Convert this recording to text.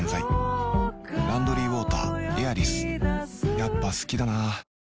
やっぱ好きだな